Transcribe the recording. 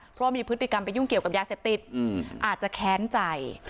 เพราะว่ามีพฤติกรรมไปยุ่งเกี่ยวกับยาเสพติดอาจจะแค้นใจ